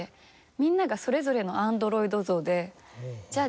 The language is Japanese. みんながそれぞれのアンドロイド像で。